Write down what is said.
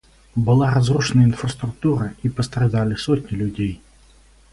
Была разрушена инфраструктура, и пострадали сотни людей.